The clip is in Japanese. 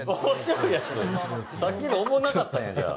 さっきのおもんなかったんやじゃあ。